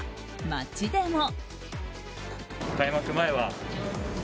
街でも。